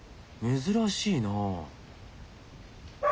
珍しいな。